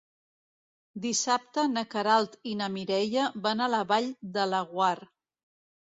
Dissabte na Queralt i na Mireia van a la Vall de Laguar.